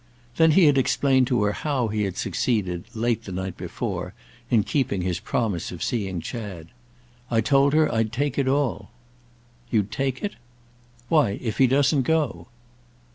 Then he had explained to her how he had succeeded, late the night before, in keeping his promise of seeing Chad. "I told her I'd take it all." "You'd 'take' it?" "Why if he doesn't go."